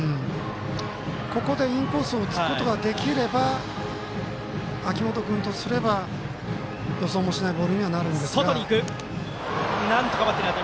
ここでインコースをつくことができれば秋元君とすれば、予想もしてないボールになります。